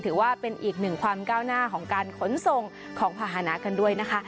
ถือว่าเป็นอีกหนึ่งความก้าวหน้าของการขนส่งของภาษณะกันด้วยนะคะ